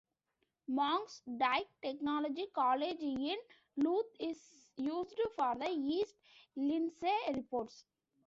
Monks' Dyke Technology College in Louth is used for the East Lindsey reports.